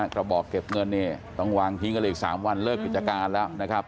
กระบอกเก็บเงินเนี่ยต้องวางทิ้งกันเลยอีก๓วันเลิกกิจการแล้วนะครับ